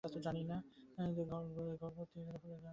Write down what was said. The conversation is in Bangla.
ঘর ভর্তি হয়ে গেল ফুলের গন্ধে।